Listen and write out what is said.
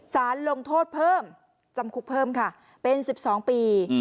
สารลงโทษเพิ่มจำคุกเพิ่มค่ะเป็น๑๒ปี